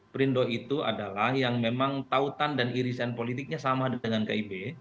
perindo itu adalah yang memang tautan dan irisan politiknya sama dengan kib